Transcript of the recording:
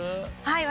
はい。